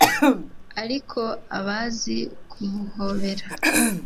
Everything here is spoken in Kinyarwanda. Ariko abazi kumuhobera